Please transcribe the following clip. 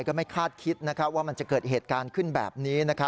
ก็ไม่คาดคิดว่ามันจะเกิดเหตุการณ์ขึ้นแบบนี้